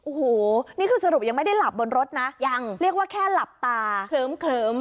โอ้โหนี่คือสรุปยังไม่ได้หลับบนรถนะยังเรียกว่าแค่หลับตาเคลิ้ม